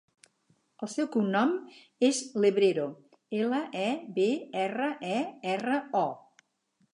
El seu cognom és Lebrero: ela, e, be, erra, e, erra, o.